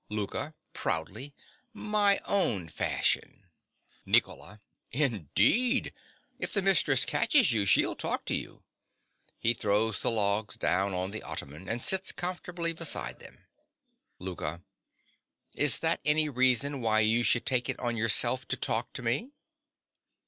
LOUKA. (proudly). My own fashion. NICOLA. Indeed! If the mistress catches you, she'll talk to you. (He throws the logs down on the ottoman, and sits comfortably beside them.) LOUKA. Is that any reason why you should take it on yourself to talk to me?